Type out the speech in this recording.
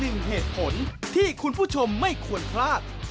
หนึ่งเหตุผลที่คุณผู้ชมไม่ควรพลาด